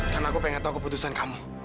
karena aku pengen tahu keputusan kamu